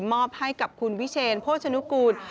มอบให้กับคุณวิเชนโภชนุกูล